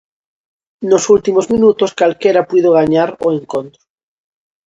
Nos últimos minutos calquera puido gañar o encontro.